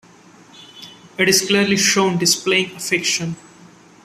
It is clearly shown displaying affection.